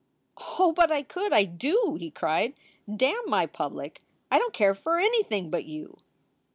"Oh, but I could! I do!" he cried. "Damn my public! I don t care for anything but you."